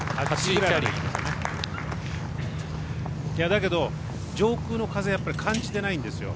だけど上空の風、感じてないんですよ。